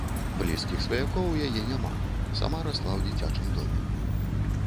Блізкіх сваякоў у яе няма, сама расла ў дзіцячым доме.